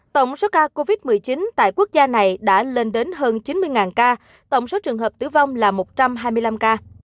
tổng số ca covid một mươi chín tại quốc gia này đã lên đến hơn chín mươi ca tổng số trường hợp tử vong là một trăm hai mươi năm ca